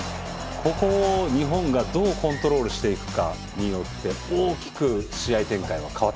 ここを日本がどうコントロールしていくかによって大きく試合展開は変わってきます。